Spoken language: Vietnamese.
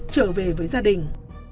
trở về với gia đình